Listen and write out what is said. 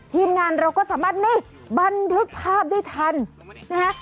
ทีมงานเราก็สามารถนี่บันทึกภาพได้ทันนะฮะ